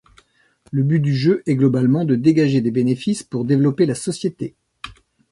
Le but du jeu est, globalement, de dégager des bénéfices pour développer la société.